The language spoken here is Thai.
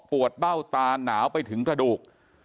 เบ้าตาหนาวไปถึงกระดูก